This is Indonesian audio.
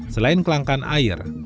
selain kelangkan air